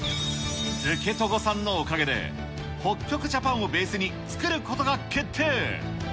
づけとごさんのおかげで、北極ジャパンをベースに作ることが決定。